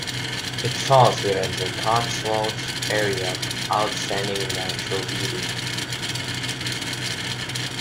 It falls within the Cotswolds Area of Outstanding Natural Beauty.